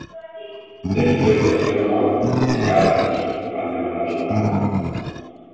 Després de la seva mort, els khàzars van demanar la pau.